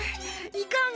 いかん。